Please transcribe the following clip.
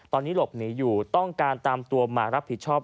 ตอนนี้หลบหนีอยู่ต้องการตามตัวมารับผิดชอบ